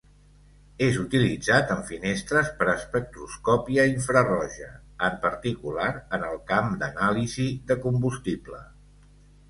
És utilitzat en finestres per espectroscòpia infraroja, en particular en el camp d'anàlisi de combustible.